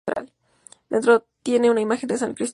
Dentro tiene una imagen de San Cristóbal.